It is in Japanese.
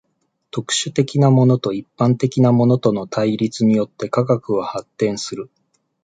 特殊的なものと一般的なものとの対立によって科学は発達する。